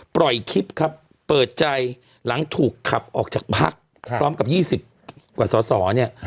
ปล่อยคลิปครับเปิดใจหลังถูกขับออกจากพักพร้อมกับ๒๐กว่าสอสอเนี่ย